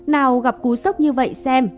nào gặp cú sốc như vậy xem